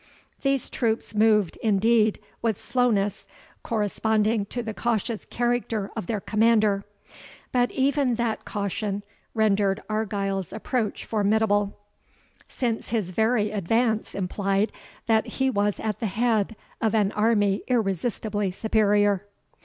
These troops moved, indeed, with slowness, corresponding to the cautious character of their commander; but even that caution rendered Argyle's approach formidable, since his very advance implied, that he was at the head of an army irresistibly superior.